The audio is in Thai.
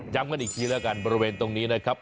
กันอีกทีแล้วกันบริเวณตรงนี้นะครับ